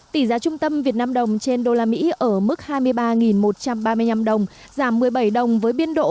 tỷ giá trung tâm việt nam đồng trên đô la mỹ ở mức hai mươi ba một trăm ba mươi năm đồng giảm một mươi bảy đồng với biên độ